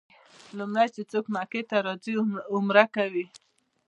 لومړی چې څوک مکې ته راځي عمره کوي.